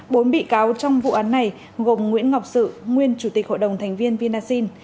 bốn bị cáo trong vụ án này gồm nguyễn ngọc sự nguyên chủ tịch hội đồng thành viên vinasin